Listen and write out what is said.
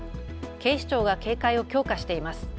警視庁が警戒を強化しています。